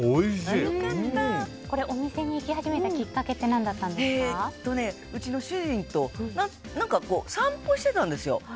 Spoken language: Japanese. お店に行き始めたきっかけってうちの主人と散歩してたんですよ。